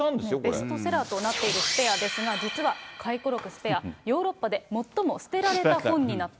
ベストセラーとなっているスペアですが、実は回顧録、スペア、最も捨てられた本になった。